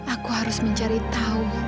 aku harus mencari tahu